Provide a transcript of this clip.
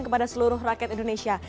kepada seluruh rakyat indonesia